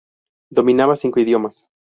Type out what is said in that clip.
Dominaba cinco idiomas.